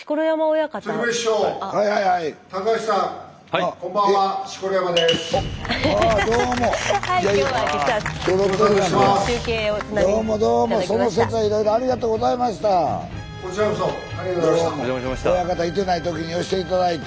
親方いてない時に寄して頂いて。